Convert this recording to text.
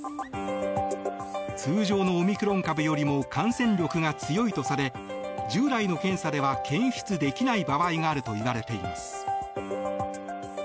通常のオミクロン株よりも感染力が強いとされ従来の検査では検出できない場合があるといわれています。